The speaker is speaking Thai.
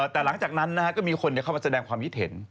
แต่หลังจากนั้นก็มีคนเข้ามาแสดงความคิดเห็น